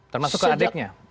termasuk ke adiknya